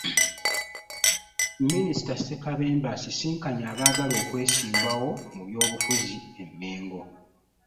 Minisita Ssekabembe asisinkanye abaagala okwesimbawo mu by'obufuzi e Mmengo